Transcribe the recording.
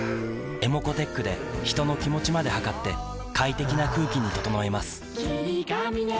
ｅｍｏｃｏーｔｅｃｈで人の気持ちまで測って快適な空気に整えます